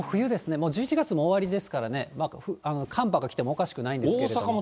もう１１月も終わりですからね、寒波が来てもおかしくないですけれども。